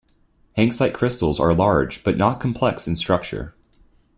Hanksite crystals are large but not complex in structure.